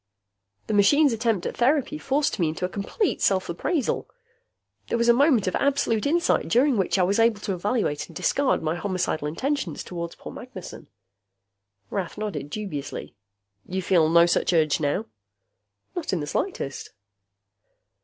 "The machine's attempt at therapy forced me into a compete self appraisal. There was a moment of absolute insight, during which I was able to evaluate and discard my homicidal intentions toward poor Magnessen." Rath nodded dubiously. "You feel no such urge now?" "Not in the slightest."